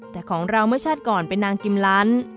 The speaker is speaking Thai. แต่ของเราเมื่อชาติก่อนเป็นนางกิมลัน